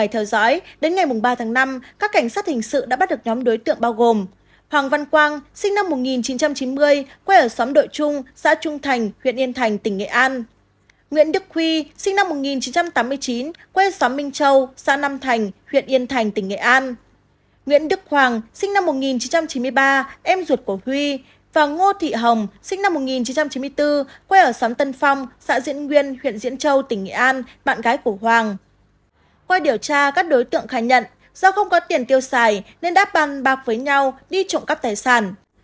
quê điều tra các đối tượng khai nhận do không có tiền tiêu xài nên đáp bằng bạc với nhau đi trộm cắp tài sản